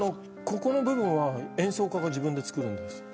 ここの部分は演奏家が自分で作るんです。